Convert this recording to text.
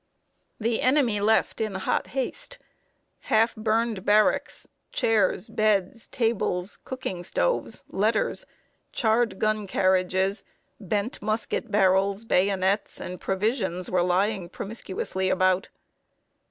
The enemy left in hot haste. Half burned barracks, chairs, beds, tables, cooking stoves, letters, charred gun carriages, bent musket barrels, bayonets, and provisions were promiscuously lying about.